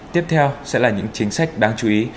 tiếp theo sẽ là những chính sách đáng chú ý